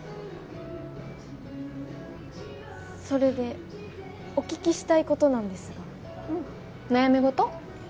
それでお聞きしたいことなんですがうん悩み事？